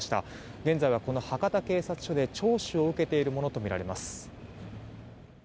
現在は博多警察署で聴取を受けているものとみられます。